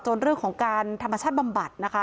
จนเรื่องของการธรรมชาติบำบัด